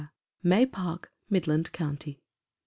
May Park, Midland County.